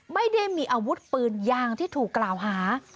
ไม่ได้มีอาวุธปืนอย่างที่ถูกกล่าวหา